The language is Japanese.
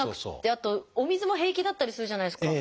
あとお水も平気だったりするじゃないですか。